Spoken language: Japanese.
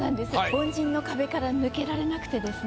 凡人の壁から抜けられなくてですね